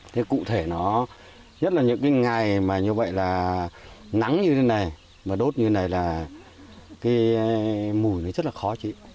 thế cụ thể nó nhất là những cái ngày mà như vậy là nắng như thế này mà đốt như này là cái mùi này rất là khó chịu